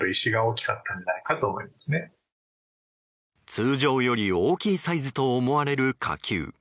通常より大きいサイズと思われる火球。